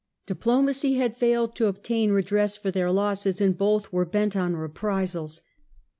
Diplomacy had failed to obtain redress for their losses, and both were bent on reprisals.